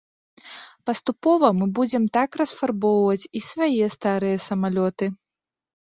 Паступова мы будзем так расфарбоўваць і свае старыя самалёты.